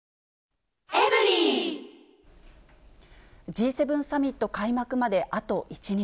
Ｇ７サミット開幕まであと１日。